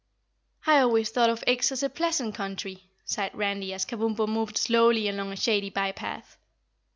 "I always thought of Ix as a pleasant country," sighed Randy as Kabumpo moved slowly along a shady by path.